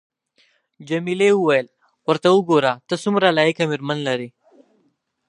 جميلې وويل:: ورته وګوره، ته څومره لایقه مېرمن لرې.